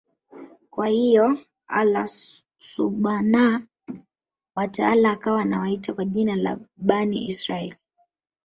Kwa hiyo Allaah Subhaanahu wa Taala akawa Anawaita kwa jina la Bani Israaiyl